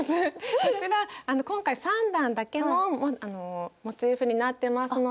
こちら今回３段だけのモチーフになってますので。